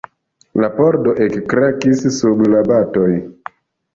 La pordo ekkrakis sub la batoj.